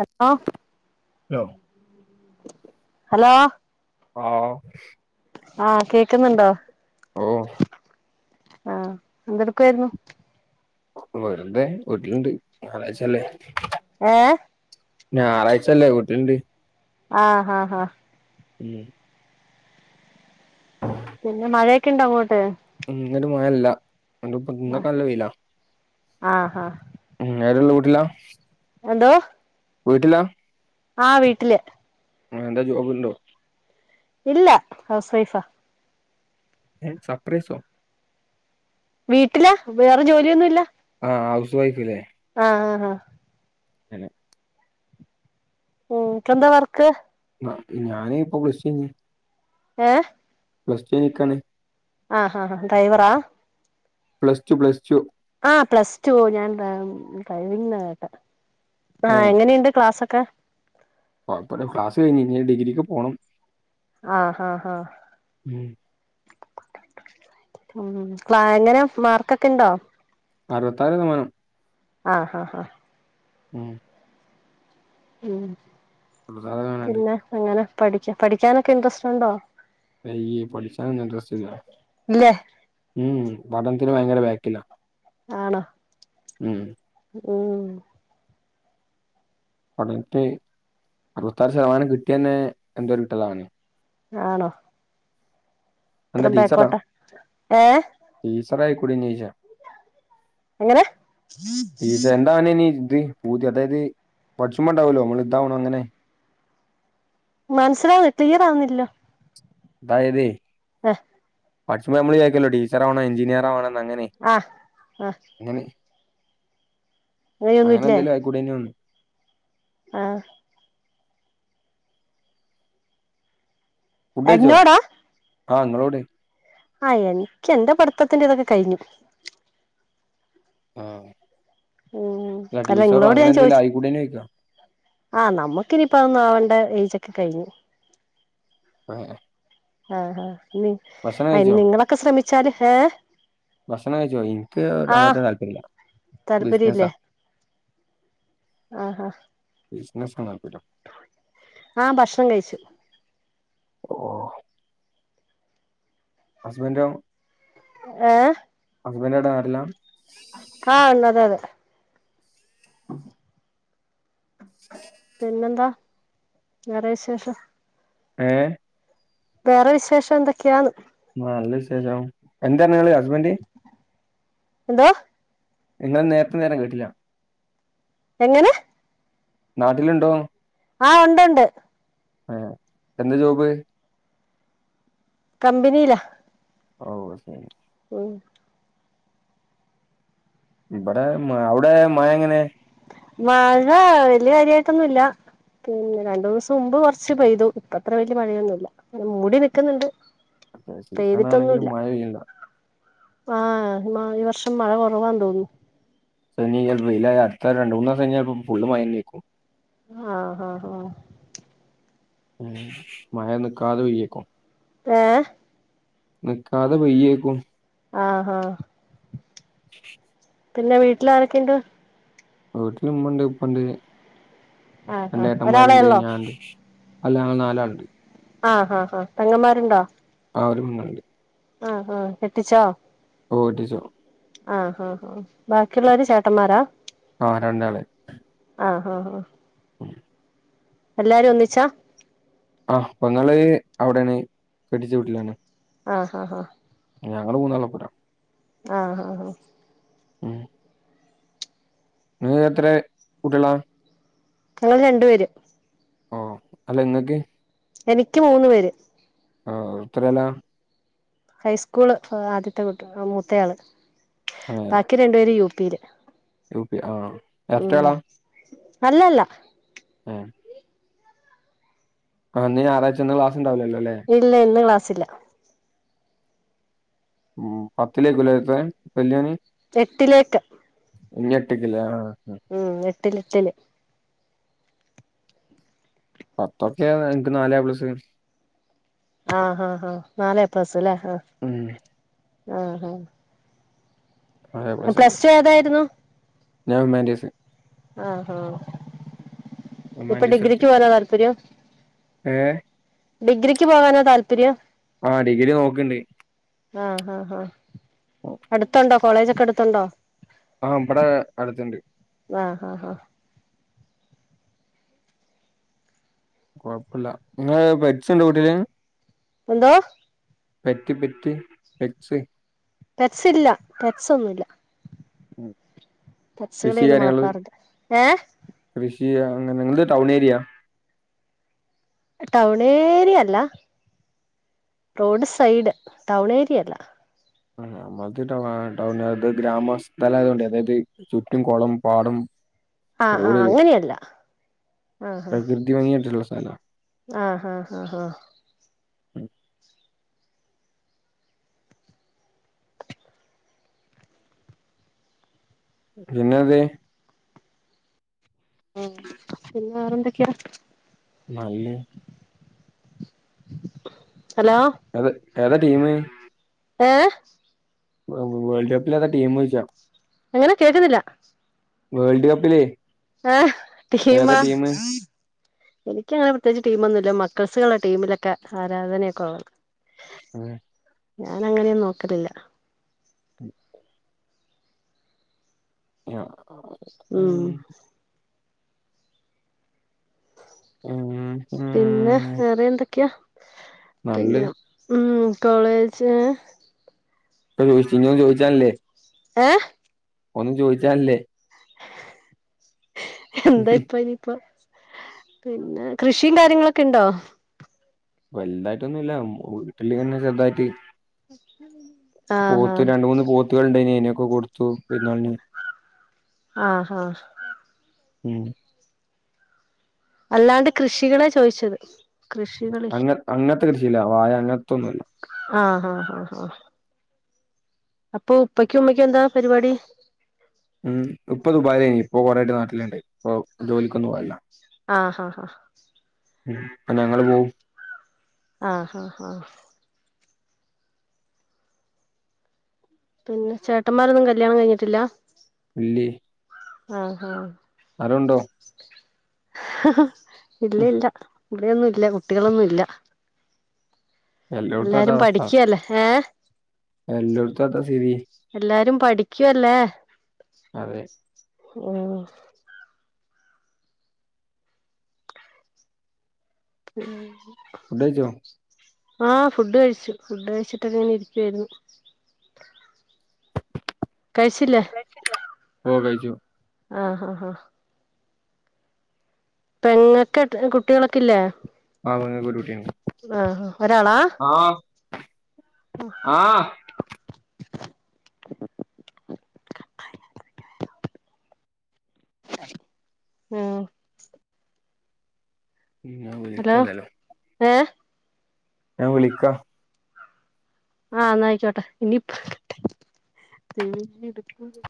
ഹ ഒ hello hello ആഹ്‌ ആഹ്‌ കേക്ക്ന്ന്ണ്ടോ? ഓഹ്‌ ആഹ്‌ എന്തെട്ക്കുവായ്രുന്നു? വെർതെ വീട്ട്ല്ണ്ട്, ഞാറായ്ചല്ലേ. ഏഹ്‌ ഞാറാഴ്ചല്ലേ വീട്ട്ല്ണ്ട്. ആഹ്‌ ഹ ഹ. ഉം [inaudible] പിന്നെ മഴയൊക്കിണ്ടങ്ങോട്ട്? ഇന്നൊര് മയല്ല, ന്ന് പൊ ന്ന്പൊ നല്ല വെയ്ല. ആഹ് ഹാ മ് നേരള്ള വീട്ട്ലാ? എന്തോ? വ്ട്ട്ല? ആ വീട്ടില്. എ ന്താ ജോബ്ണ്ടോ? ഇല്ല, ഹൗസ് വൈഫാ. ഏ സപ്പ്രേസോ? വീട്ട്ലാ വേറെ ജോലിയൊന്നുല്ല. ആ, ഹൗസ് വൈഫ് ലെ? ആഹ് ആഹ് ആഹ് [unintelligible] ഉം പന്താ വർക്ക്? നാട്ടിൽ ഞാന് പ്പൊ പ്ലസ്റ്റുയ്ഞ്ഞ്. എ പ്ലസ്റ്റുയയ്ഞ്ഞ്ക്കാണ്. ഹ ഹ ഡ്രൈവറാ? പ്ലസ്റ്റു പ്ലസ്റ്റു ആ പ്ലസ് ടു, ഞാൻ ഡ്രൈ ഡ്രൈവിംഗ് ന്നാ കേട്ടെ. ആ എങ്ങനെയ്ണ്ട് ക്ലാസൊക്കെ? കൊയ്പല്ല ക്ലാസ് കയ്ഞ്ഞ് ഞ്ഞി ഡിഗ്രിക്ക് പോണം. ആഹ് ആഹ് മ് മ് ക്ല ങ്ങനാ മാർക്കൊക്കെണ്ടോ? അറുവത്താറ് തമാനം ആഹ് ആഹ് ആഹ് മ് മ് അറുപത്താറ് ശതമാനണ്ട് പിന്നെ ങ്ങന, പഠിക്ക് പഠിക്കാനൊക്കെ ഇൻട്രസ്റ്റ്ണ്ടോ? അയ്യെ പഠിക്കാനൊന്നുൻട്രസ്റ്റില്ല. ഇല്ലേ മ് മ് പഠനത്തിന് ഭയങ്കര ബാക്കിലാ. ആണോ? മ് മ് പടനത്തിന് അറുവത്താറ് ശതമാനം കിട്ട്യയന്നെ ന്തോരു കിട്ടലാണ്. ആണോ. ഇത്ര ന്താ ടീച്ചറാ, ബേക്കോട്ടാ ഏ ടീച്ചറായാകൂടഞ്ഞയ്ച്ച. എങ്ങനെ ഇതാവനെനി ഇത് പൂതി അതായത് പഠിച്ചുമണ്ടാവല്ലോ നമ്മൾ ഇതാവണം അങ്ങനെ മനസ്സിലാവു ക്ലിയർ ആവുന്നില്ലോ അതായതേ ആഹ പഠിച്ച്മ്പോ നമ്മള് ചാരിക്കലോ ടീച്ചറാണോ എഞ്ചിനീയറവാണോ ന്ന് അങ്ങനെ ആ ആ [unintelligible] അങ്ങനെയൊന്നും അങ്ങനെ എന്തേലും ആയിക്കൂടെയിനൊന്ന് ആഹ് ഫുഡ്ഡയിച്ചോ എന്നോടാ ആഹ ഇങ്ങളോട് ആഹ് എനിക്ക് എന്റെ പഠിത്തത്തിന്റെ ഇതൊക്കെ കഴിഞ്ഞു ആഹ ഉം അല്ല ടീച്ചറോ നിങ്ങളോട് അങ്ങനെ ഞാൻ എന്തേിലും ചോദിച്ചു ആയിക്കൂടേനോ ചോയിക്ക ആ നമുക്കിനനിപ്പ അ ഒന്നും ആവേണ്ട ഏജ് ഒക്കെ കഴിഞ്ഞു അങ്ങനെ ആഹഹാ നി കഴിച്ചോ നിങ്ങളൊക്കെ ശ്രമിച്ചാല് ഏ ഭക്ഷണം കഴിച്ചോ എനിക്ക് ആ അങ്ങത്തെ താല്പര്യില്ല താല്പര്യം ബിസിനസാ ആഹ് ആഹ് ബിസിനസ്കാണ് താൽപര്യം ആഹ് ഭക്ഷണം കഴിച്ചു ഓ ഹസ്ബൻഡൊ ഏഹ് ഹസ്ബൻഡറോടെരെല്ലാം ആഹ് അതെ അതെ പിന്നെന്താ വേറെ വിശേഷം ഏഹ് വേറെ വിശേഷം എന്തൊക്കെയാണ് ആഹ് നല്ല വിശേഷം എന്താണ് നിങ്ങള് ഹസ്ബന്ഡ് എന്താ നിങ്ങൾ നേരത്തെ എന്താ പറഞ്ഞേ കേട്ടില്ല എങ്ങനെ നാട്ടിലുണ്ടോ ആഹ് ഉണ്ട് ഉണ്ട് ആഹ് എന്താ ജോബ് കമ്പനിയില ഓ ശരി ഉം ഇവിടെ മ അവിടെ മഴ എങ്ങനെ മഴ വല്യയ കാര്യായിട്ടൊന്നുംല്ല പിന്നെ രണ്ടു ദിവസം മുമ്പ് കുറച്ച് പെയ്തു ഇപ്പ അത്ര വലിയ മഴയൊന്നുമല്ല മൂടി നിക്കുന്നുണ്ട് സീസൺ ആണെങ്കിലും പേയ്ത്തൊട്ടൊന്നുമില്ല മഴ പെയ്യണില്ല ആഹ് ഈ വർഷം മഴ കുറവാ തോന്നി സനി ചപ്പോ ഇല്ല അടുത്ത രണ്ട് മൂന്ന് ദിവംഞ്ഞപ്പ ഫുള് മയന നീക്കും ആഹ് ആഹ് ആഹ് ഉം മഴ നിക്കാതെ പെയയ്യേക്കോ ആഹ് നിക്കാതെ പെയ്യേക്കും ആഹ് ആഹ് [inaudible] പിന്നെ വീട്ടിൽ ആരൊക്കെ ഉണ്ട് വീട്ടില ഇമുണ്ട് ഇപ്പണ്ട് ആഹ് രണ്ടേ ആഹ് ഒരാളെ ഏട്ടന്മാരുണ്ട് ഉള്ളോ ഞൻണ്ട് അല്ല നാലാൾണ്ട് ആഹ് ആഹ് അഹ് പെങ്ങമാരുണ്ടോ ആഹ് ഒരു പെങ്ങൾണ്ട് ആഹ് ആഹ് കെട്ടിച്ചോ ഓ കെട്ടിച്ചു ആഹ് ആഹ് ആഹ് ബാക്കിയുള്ളവര് ചേട്ടന്മാരാ ആഹ് രണ്ടാള് ആഹ് ആഹ് ആഹ് [unintelligible] എല്ലാരും ഒന്നിച്ചാ ആഹ് പെങ്ങൾ അവിടെണ് കെട്ടിച്ച വീട്ടിലാണ് ആഹ് ആഹ് ആഹ് ഞങ്ങള്ൾ മൂന്നാള്ളുംപ്പരാണ് ആഹ് ആഹ് ആഹ് മ് നിങ്ങ്ക്കെത്രെ കുട്ട്യളാ? ഞങ്ങള് രണ്ടുപേര് ഓഹ്, അല്ല ഇങ്ങക്ക്? എനിക്ക് മൂന്ന് പേര്. ആഹ് എത്രേലാ? ഹൈസ്കൂള് ആദ്യത്തെ കുട്ടി മൂത്തയാള്, ബാക്കി രണ്ടു പേരും യൂപിയില് യൂ പി ആഹ് ഉം എരട്ടകളാ അല്ലല്ല ഉം ആഹ് ഇന്ന് ഞായറായ്ച്ച, ഇന്ന് ക്ലാസ്ണ്ടാവൂലല്ലലേ ഇല്ല ഇന്ന് ക്ലാസ്സില്ല ഉം പത്തിലെയ്ക്കുലേ [unintelligible] വൽയോന് എട്ടിലേക്ക് ഇഞ്ഞെട്ട്ക്ക്ലേ ആഹ് ആഹ് ഉം എട്ടിലെട്ടില് പത്തൊക്കെ എനിക്ക് നാലേപ്ലസ് ആഹ് ഹാ ഹാ നാലേപ്ലസ് ലേ, ആഹ് ഉം ആഹ് ആഹ് പ്ലസ് നാലേപ്ലസ്ണ്ടായ്നു. ടു ഏതായിരുന്നു ഞാൻ ഹ്യുമാൻറ്റീസ് ആഹ് ആഹ് ഇപ്പൊ ഡിഗ്രിക്ക് ഹ്യൂമാൻറ്റീസ്ട്ത്തെ, പോകാനാ താല്പര്യം ഏഹ് ഡിഗ്രിക്ക് പോവാനാ താല്പര്യം? ആഹ് ഡിഗ്രി നോക്കണ്ട് ആഹ് ആഹ് ആഹ് [unintelligible] ത്തുണ്ടോ കോളേജൊക്കെ അടുത്തുണ്ടോ? ആഹ് ഇബടെ അടുത്ത്ണ്ട്. ആഹ് ആഹ് ആഹ് കൊഴ്പ്പല്ല. നിങ്ങള് പെറ്റ്സ്ണ്ടൊ വീട്ടില്? എന്തോ? പെറ്റ് പെറ്റ് പെറ്റ്സ് പെറ്റ്സില്ല, പെറ്റ്സൊന്നുല്ല. ഉം പെറ്റ്സ്കളെ ഒന്നും വളർത്താറില്ല. ഏഹ് കൃഷീ അങ്ങനെ നിങ്ങളുടെ ടൗണേരിയാ? ടൗണേരിയ അല്ല, റോഡ് സൈഡ്. ടൗണേരിയ അല്ല. ആഹ് നമ്മൾത് ടൗണേ ടൗണാൾത് ഗ്രാമസ്ഥലായതോണ്ട് അതായത് ചുറ്റും കൊളും, പാടും ആഹ് ആഹ് ഓള്, അങ്ങനെയല്ല ആഹ് പ്രകൃതി ഭംഗി ആയ്ട്ട്ള്ളെ സ്ഥലാ ആഹ് ഹാ ഹാ ഹാ പിന്നെന്തേ? ഉം പിന്നെ വേറെന്തൊക്കെ? നല്ല് ഹലോ അത് ഏതാ ടീമ്? ഏഹ്? വെ വ് വേൾഡ് കപ്പിലേതാ ടീമോയ്ച്ച എങ്ങനെ കേക്ക്ന്നില്ല. വേൾഡ് കപ്പിലേ ഏഹ് ഏതാ ടീമാ ടീം എനിക്കങ്ങനെ പ്രത്യേകിച്ച് ടീമൊന്നുല്ല, മക്കൾസ്സ്കളാ ടീമിലൊക്കെ ആരാധനയൊക്കെ ഉള്ളത്. [inaudible] ആഹ് ഞാനങ്ങനെയും നോക്കലില്ല ഉം ആഹ് ഉം ഉം പിന്ന വേറെ എന്തൊക്കെയാ നല്ല പിന്നെ ഉം കോളേജ് ചോയ്ച്ച് [unintelligible] ചോയിച്ചാലല്ലെ ആഹ് ഒന്നും ചോയിച്ചാലല്ലെ എന്താ ഇപ്പ ഇനിയിപ്പൊ പിന്ന കൃഷീം കാര്യങ്ങളൊക്ക ഇണ്ടൊ വൽതായിട്ടൊന്നുല്ല വീട്ടില്ങ്ങനെ ചെറ്തായിട്ട് ആഹ് ആഹ് പോത്ത് രണ്ട് മൂന്ന് പോത്ത്കൾ ഇണ്ടായിന് അയിനൊക്ക കൊട് ത്തു പെരുന്നാൾന് ആഹ് ആഹ് ഉം അല്ലാണ്ട് കൃഷികളെ ചോയിച്ചത് കൃഷികളില്ലേ അങ്ങത്തെ കൃഷിയില്ല വാഴ അങ്ങത്തൊന്നുല്ല ആഹ് ആഹ് ആഹ് അപ്പൊ ഉപ്പക്കും ഉമ്മക്കും എന്താ പരുപാടി ഉം ഉപ്പ ദുബായിലേന് ഇപ്പൊ കൊറേ ആയ്ട്ട് നാട്ടില്ണ്ട് ഇപ്പൊ ജോലിക്കൊന്നും പോവലില്ല ആഹ് ആഹ് ഉം ഇപ്പ ഞങ്ങള് പോവും ആഹ് ആഹ് ആഹ് പിന്ന ചേട്ടമ്മാരൊന്നും കല്യാണം കഴിഞ്ഞിട്ടില്ല ഇല്ലെയ് ആഹ് ആഹ് ആരോണ്ടൊ ഇല്ലി ഇല്ല ഇവടെയൊന്നും ഇല്ല കുട്ടികളൊന്നു ഇല്ല എല്ലോട്ത്തും എല്ലാരും പഠിക്കല്ലെ ഏഹ് എല്ലോടുത്തും അതാ സ്ഥിതി എല്ലാരും പഠിക്ക്യല്ലേ അതെ ഉം ഉം ഫുഡ്ഡയിച്ചൊ ആഹ് ഫുഡ്ഡ് കഴിച്ചു ഫുഡ്ഡ് കഴിച്ചിട്ടൊക്ക ഇങ്ങനെ ഇരിക്കുവാരുന്നു കഴിച്ചില്ലെ ഓഹ് കഴിച്ചു ആഹ് ആഹ് ആഹ് പെങ്ങക്ക് കുട്ടികളൊക്കെ ഇല്ലേ ആ പെങ്ങക്ക് ഒരു കുട്ടിയുണ്ട്. ആഹ് ഒരാളാ ആഹ് ആഹ് ആഹ് ഉം ഇനി ഞാൻ ഹലോ വിളിക്കാം എന്തായാലും ഏഹ് ഞാൻ വിളിക്കാം ആഹ് എന്നായിക്കോട്ടെ ഇനി [inaudible]